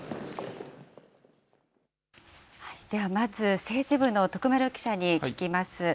ではまず、政治部の徳丸記者に聞きます。